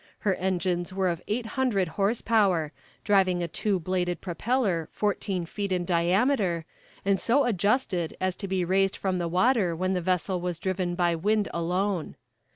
Her engines were of eight hundred horse power, driving a two bladed propeller fourteen feet in diameter, and so adjusted as to be raised from the water when the vessel was driven by wind alone.